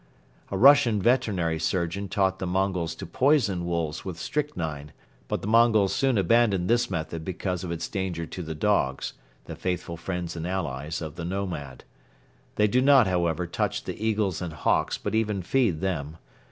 A Russian veterinary surgeon taught the Mongols to poison wolves with strychnine but the Mongols soon abandoned this method because of its danger to the dogs, the faithful friends and allies of the nomad. They do not, however, touch the eagles and hawks but even feed them.